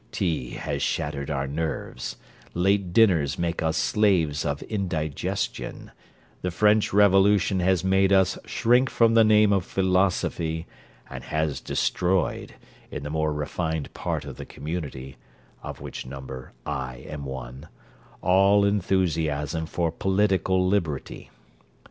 Tea has shattered our nerves; late dinners make us slaves of indigestion; the French Revolution has made us shrink from the name of philosophy, and has destroyed, in the more refined part of the community (of which number I am one), all enthusiasm for political liberty.